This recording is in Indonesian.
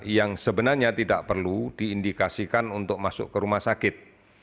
yang sebenarnya tidak perlu diindikasikan untuk masuk ke rumah sakit